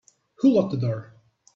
Who locked the door?